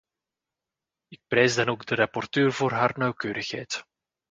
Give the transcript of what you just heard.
Ik prijs dan ook de rapporteur voor haar nauwkeurigheid.